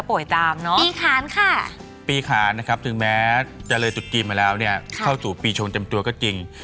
โอเคปีขาญค่ะถึงแม้จริงมาแล้วเนี่ยเข้าสู่ปีชงเต็มตัวก็จริง